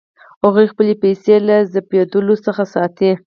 هغوی خپلې پیسې له ضبظېدلو څخه ساتي.